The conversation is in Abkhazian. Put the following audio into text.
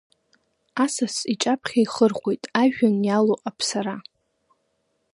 Асас иҿаԥхьа ихырхәоуит, ажәҩан иалоу аԥсара.